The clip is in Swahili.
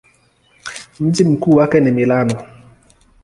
Mji mkuu wake ni Milano.